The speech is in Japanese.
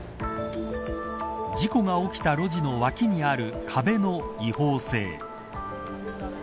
事故が起きた路地の脇にある壁の違法性。